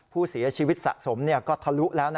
ผู้เสียชีวิตสะสมก็ทะลุแล้ว